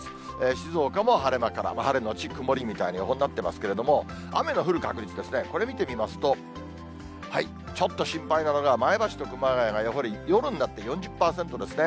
静岡も晴れ間から、晴れ後曇りみたいな予報になってますけれども、雨の降る確率ですね、これ見てみますと、ちょっと心配なのが、前橋と熊谷がやはり夜になって４０％ですね。